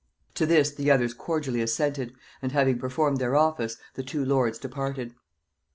To this the others cordially assented; and having performed their office, the two lords departed.